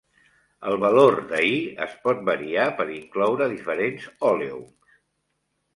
El valor de "y" es pot variar, per incloure diferents òleums.